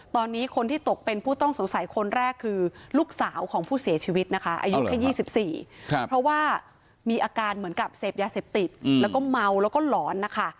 ตอนนี้คนที่ตกเป็นผู้ต้องสงสัยคนแรกคือลูกสาวของผู้เสียชีวิตนะคะอายุแค่๒๔เพราะว่ามีอาการเหมือนกับเสพยาเสพติดแล้วก็เมาแล้วก็หลอนนะคะ